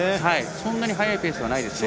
そんなに速いペースはないですね。